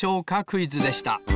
クイズ」でした。